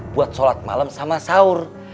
buat sholat malam sama sahur